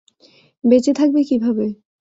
বেঁচে থাকবে কিভাবে?